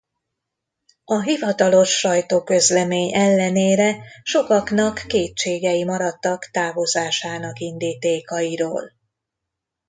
A hivatalos sajtóközlemény ellenére sokaknak kétségei maradtak távozásának indítékairól.